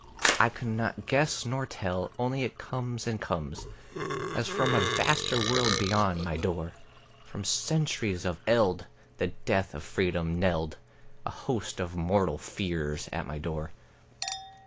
I cannot guess nor tell; only it comes and comes, As from a vaster world beyond my door, From centuries of eld, the death of freedom knelled, A host of mortal fears at my door.